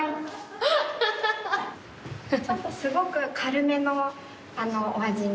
すごく軽めのお味に。